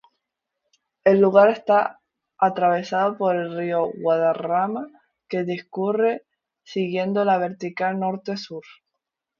El lugar está atravesado por el río Guadarrama, que discurre siguiendo la vertical norte-sur.